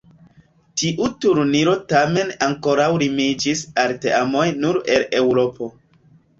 Tiu turniro tamen ankoraŭ limiĝis al teamoj nur el Eŭropo.